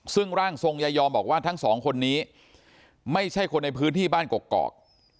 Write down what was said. ซึ่งร่างทรงยายอมบอกว่าทั้งสองคนนี้ไม่ใช่คนในพื้นที่บ้านกอก